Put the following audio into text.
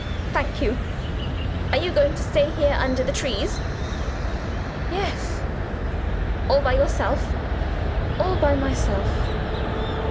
"Thank you. Are you going to stay here under the trees?" "Yes." "All by yourself?" "All by myself."